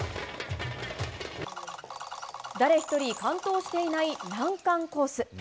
誰一人完登していない難関コース。